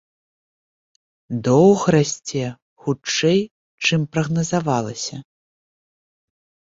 Доўг расце хутчэй, чым прагназавалася.